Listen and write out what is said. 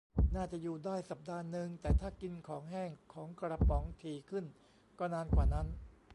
น่าจะอยู่ได้สัปดาห์นึง แต่ถ้ากินของแห้งของกระป๋องถี่ขึ้นก็นานกว่านั้น